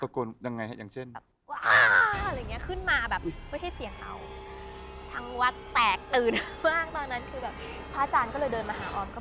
ตะโกนยังไงอย่างเช่น